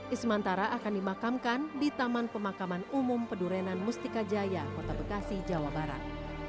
ismantara akan dimakamkan di taman pemakaman umum pedurenan mustika jaya kota bekasi jawa barat